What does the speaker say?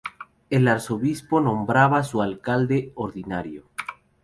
El Arzobispo nombraba su Alcalde Ordinario.